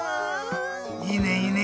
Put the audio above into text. いいねいいね